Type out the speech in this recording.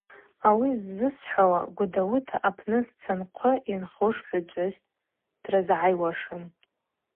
Ауи ззысхӏвауа Гвыдауыта апны сцынхъвы йынхуш гӏвычӏвгӏвыс дрызгӏауашын.